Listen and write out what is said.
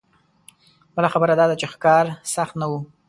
بله خبره دا ده چې ښکار سخت نه و.